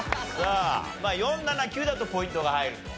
あ４７９だとポイントが入ると。